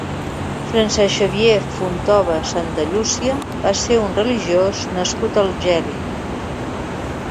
Francesc Xavier Fontova Santallucia va ser un religiós nascut a Algerri.